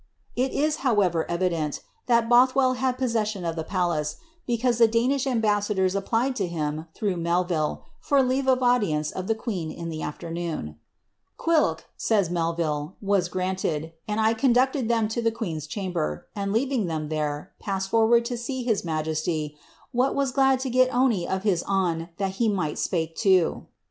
It is, however evident, that Both well had posses sion of the palace, because the Danish ambassadors applied to him, through Melville, for leave of audience of the queen in the afternoon ;^^ Quhilk," says Melville, ^^ was granted, and I conducted them to the queen's chamber, and leaving them there, passed forward to see his majesty, wha was glad to get ony of his awn that he might speke to."